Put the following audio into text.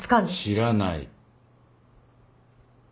知らない。